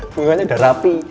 bunganya udah rapi